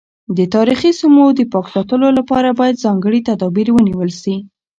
د تاریخي سیمو د پاک ساتلو لپاره باید ځانګړي تدابیر ونیول شي.